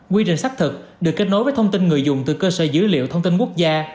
quy trình xác thực được kết nối với thông tin người dùng từ cơ sở dữ liệu thông tin quốc gia